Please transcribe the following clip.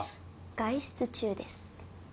外出中です。